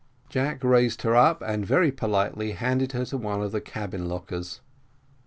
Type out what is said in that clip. Jack raised her up, and very politely handed her to one of the cabin lockers.